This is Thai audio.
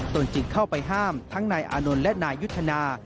ตนจึงเข้าไปห้ามทั้งนายอานนท์และนายยุทธนา